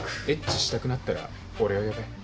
エッチしたくなったら俺を呼べ。